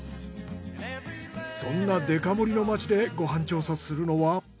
そんなデカ盛りの町でご飯調査するのは。